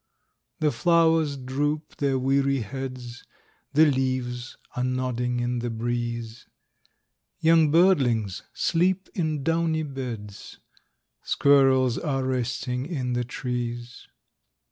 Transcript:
The flowers droop their weary heads, The leaves are nodding in the breeze; Young birdlings sleep in downy beds; Squirrels are resting in the trees.